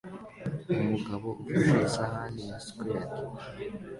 Umugabo afashe isahani ya squide